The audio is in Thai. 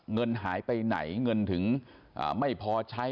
เงินหายไปไหนเงินถึงไม่พอใช้